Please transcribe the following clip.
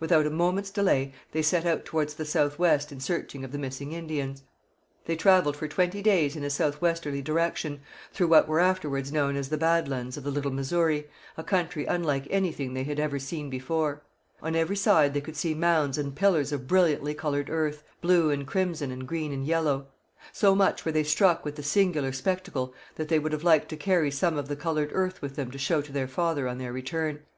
Without a moment's delay they set out towards the south west in search of the missing Indians. They travelled for twenty days in a south westerly direction, through what were afterwards known as the Bad Lands of the Little Missouri, a country unlike anything they had ever seen before. On every side they could see mounds and pillars of brilliantly coloured earth, blue and crimson and green and yellow. So much were they struck with the singular spectacle that they would have liked to carry some of the coloured earth with them to show to their father on their return.